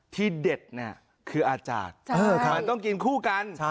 ที่เด็ดคืออาจารย์มันต้องกินคู่กัน